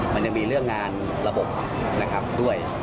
มันยังมีเรื่องงานระบบด้วย